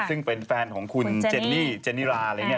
ซึ่งเป็นแฟนของคุณเจนนี่เจนิราอะไรอย่างนี้